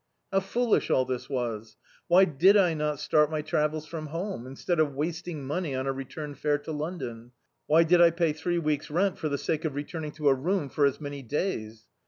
How foolish all this was ! Why did I not start my travels from hcnne, instead of wasting money on a return fare to London? Why did I pay three weeks' rent for the sake of returning to a room for as many days?